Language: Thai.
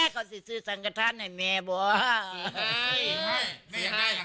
เขาสิซื้อสังกระทันให้แม่บอก